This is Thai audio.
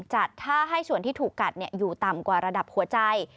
จัดถ้าให้ส่วนที่ถูกกัดอยู่ต่ำกว่าระดับหัวใจ